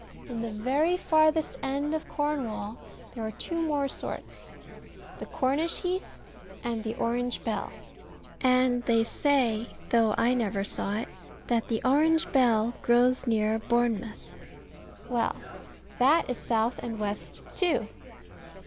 In the very farthest end of Cornwall there are two more sorts, the Cornish heath and the Orange bell; and they say (though I never saw it) that the Orange bell grows near Bournemouth. Well. That is south and west too.